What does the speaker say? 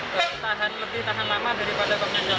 lebih tahan lama daripada pembedaan